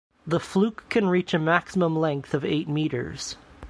The fluke can reach a maximum length of eight meters.